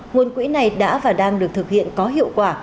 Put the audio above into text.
nguồn quỹ này đã và đang được thực hiện có hiệu quả